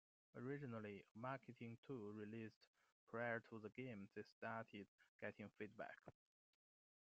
Originally a marketing tool released prior to the game, they started getting feedback.